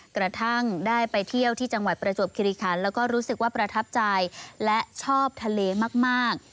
กระทั่งได้ไปเที่ยวที่จังหวัดประจวบคิริคันแล้วก็รู้สึกว่าประทับใจและชอบทะเลมาก